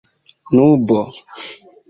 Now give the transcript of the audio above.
nubo